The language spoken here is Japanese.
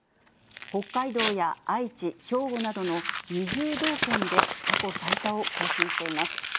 北海道や愛知、兵庫などの２０道県で過去最多を更新しています。